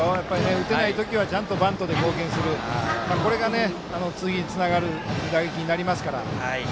打てない時は、ちゃんとバントで貢献する、これが次につながる打撃になりますから。